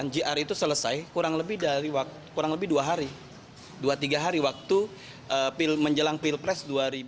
gr itu selesai kurang lebih dua hari dua tiga hari waktu menjelang pilpres dua ribu dua puluh